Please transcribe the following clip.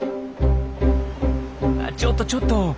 ちょっとちょっと！